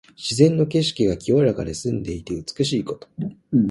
自然の景色が清らかで澄んでいて美しいこと。